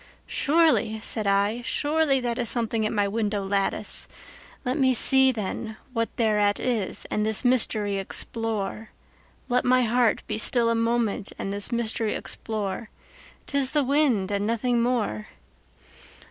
"Surely," said I, "surely that is something at my window lattice; Let me see, then, what thereat is, and this mystery explore; Let my heart be still a moment and this mystery explore:'T is the wind and nothing more."